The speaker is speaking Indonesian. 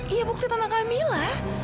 iya bukti tentang kamila